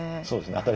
そうですね。